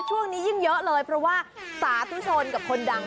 ช่วงนี้ยิ่งเยอะเลยเพราะว่าสาธุชนกับคนดัง